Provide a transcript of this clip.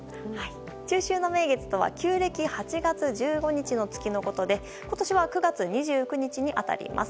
中秋の名月とは旧暦８月１５日の月のことで今年は９月２９日に当たります。